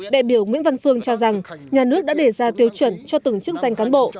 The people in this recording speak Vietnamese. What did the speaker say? đại biểu nguyễn văn phương cho rằng nhà nước đã để ra tiêu chuẩn cho từng chức danh cán bộ